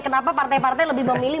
kenapa partai partai lebih memilih